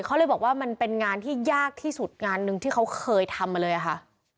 เขาเลยบอกว่ามันเป็นงานที่ยากที่สุดงานหนึ่งที่เขาเคยทำมาเลยค่ะ